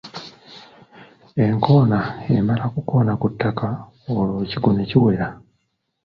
Enkoona emala kukoona ku ttaka olwo ekigwo ne kiwera.